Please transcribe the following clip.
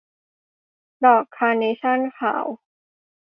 ดอกคาร์เนชั่นขาว